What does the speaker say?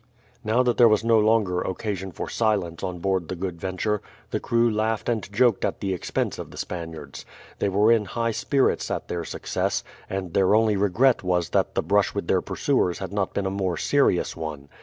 Now that there was no longer occasion for silence on board the Good Venture, the crew laughed and joked at the expense of the Spaniards. They were in high spirits at their success, and their only regret was that the brush with their pursuers had not been a more serious one.